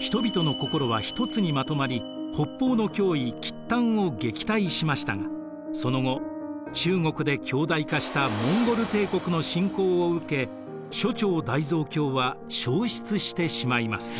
人々の心はひとつにまとまり北方の脅威契丹を撃退しましたがその後中国で強大化したモンゴル帝国の侵攻を受け初彫大蔵経は焼失してしまいます。